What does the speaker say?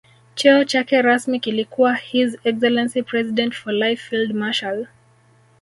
Cheo chake rasmi kilikuwa His Excellency President for Life Field Marshal